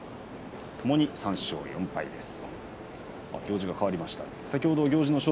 ともに３勝４敗です。